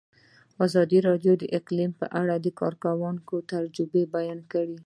ازادي راډیو د اقلیم په اړه د کارګرانو تجربې بیان کړي.